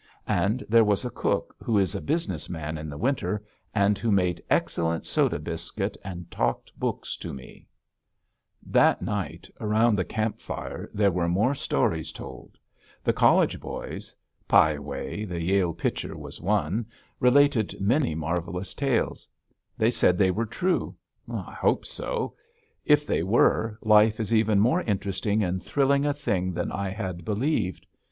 And there was a cook who is a business man in the winter, and who made excellent soda biscuit and talked books to me. [Illustration: GUNSIGHT LAKE AND MOUNT JACKSON FROM FUSILLADE MOUNTAIN] That night, around the camp fire, there were more stories told. The college boys "Pie" Way, the Yale pitcher, was one related many marvelous tales. They said they were true. I hope so. If they were, life is even more interesting and thrilling a thing than I had believed.